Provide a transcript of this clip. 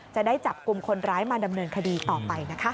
จะได้จับกลุ่มคนร้ายมาดำเนินคดีต่อไปนะคะ